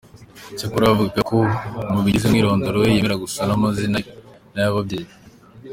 Cyakora yavugaga ko mu bigize umwirondoro we, yemera gusa amazina ye n'ay'ababyeyi.